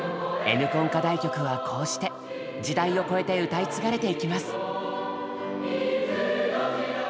「Ｎコン」課題曲はこうして時代を超えて歌い継がれてゆきます。